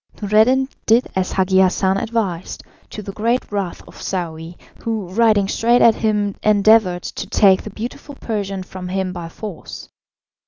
Noureddin did as Hagi Hassan advised, to the great wrath of Saouy, who riding straight at him endeavoured to take the beautiful Persian from him by force.